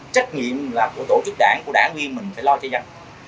trách nhiệm là của tổ chức đảng của đảng viên mình phải lo cho dân